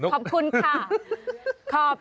ขอบคุณค่ะ